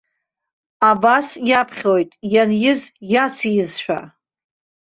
Абас иаԥхьоит, ианиз иацизшәа.